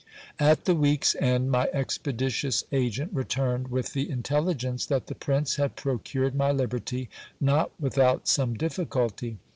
At the week's end my expeditious agent returned, with the intelligence that the prince had procured my liberty, not without some difficulty.